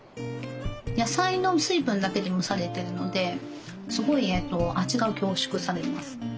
野菜の水分だけで蒸されてるのですごい味が凝縮されます。